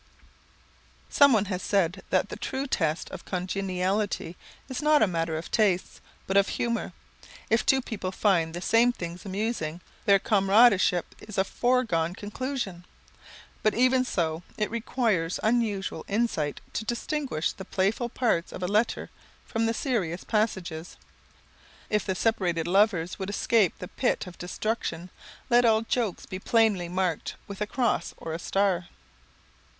Someone has said that the true test of congeniality is not a matter of tastes, but of humour. If two people find the same things amusing, their comradeship is a foregone conclusion, but even so, it requires unusual insight to distinguish the playful parts of a letter from the serious passages. If the separated lovers would escape the pit of destruction, let all jokes be plainly marked with a cross or a star.